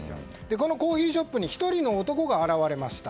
このコーヒーショップに１人の男が現れました。